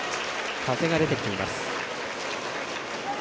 風が出てきています。